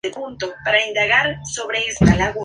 Exento de aditivos extraños.